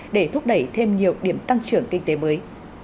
để thúc đẩy thêm nhiều điểm tăng trưởng kinh tế mới